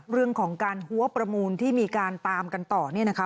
เรื่องของการหัวประมูลที่มีการตามกันต่อเนี่ยนะคะ